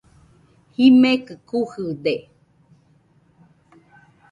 Jimekɨ kujɨde.